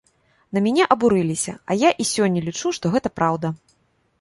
На мяне абурыліся, а я і сёння лічу, што гэта праўда.